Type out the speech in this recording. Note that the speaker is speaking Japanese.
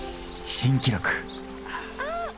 新記録？